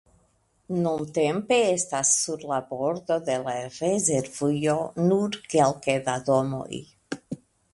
Nuntempe estas sur la bordo de la rezervujo nur kelke da domoj.